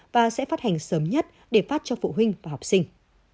và sẽ phát hành sớm nhất để phát cho phụ huynh và học sinh